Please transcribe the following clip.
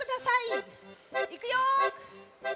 いくよ。